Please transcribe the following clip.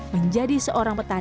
menjadi seorang petani